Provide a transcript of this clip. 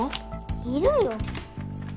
いるよ。